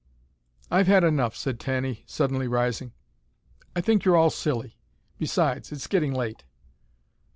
"I've had enough," said Tanny suddenly rising. "I think you're all silly. Besides, it's getting late."